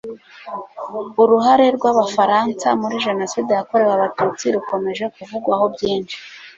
uruhare rw'abafaransa muri jenoside yakorewe abatutsi rukomeje kuvugwaho byinshi